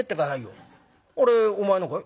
「あれお前のかい？」。